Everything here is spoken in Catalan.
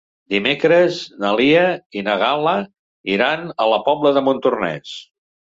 Dimecres na Lia i na Gal·la iran a la Pobla de Montornès.